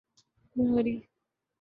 Khanauri